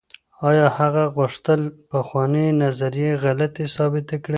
آيا هغه غوښتل پخوانۍ نظريې غلطې ثابتې کړي؟